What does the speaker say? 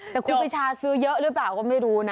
แต่ครูปีชาซื้อเยอะหรือเปล่าก็ไม่รู้นะ